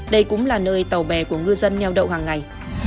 đây cũng là nơi tàu bè của ngư dân nheo đậu hàng ngày